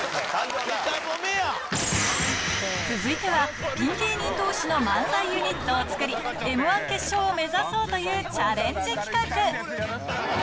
続いては、ピン芸人どうしの漫才ユニットを作り、Ｍー１決勝を目指そうというチャレンジ企画。